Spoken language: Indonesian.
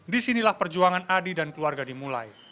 disinilah perjuangan adi dan keluarga dimulai